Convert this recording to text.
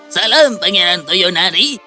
salam pengiran toyonari